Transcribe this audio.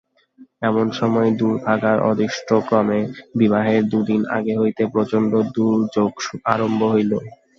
এমন সময় দুর্ভাগার অদৃষ্টক্রমে বিবাহের দুই দিন আগে হইতে প্রচণ্ড দুর্যোগ আরম্ভ হইল।